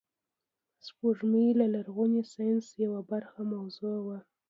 سپوږمۍ د لرغوني ساینس یوه مهمه موضوع وه